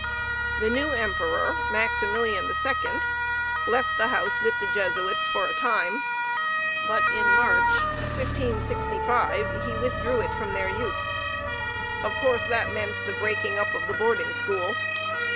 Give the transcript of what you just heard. The new Emperor, Maximilian II, left the house with the Jesuits for a time; but in March, 1565, withdrew it from their use. Of course, that meant the breaking up of the boarding school.